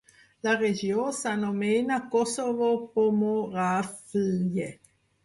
La regió s'anomena Kosovo Pomoravlje.